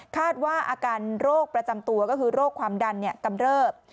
อาการโรคประจำตัวก็คือโรคความดันกำเริบ